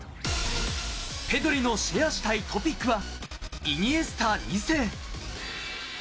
ペドリのシェアしたいＴＯＰＩＣは、イニエスタ２世。